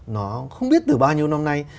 nó không biết từ bao nhiêu năm nay